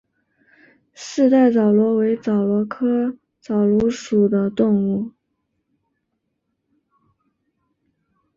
四带枣螺为枣螺科枣螺属的动物。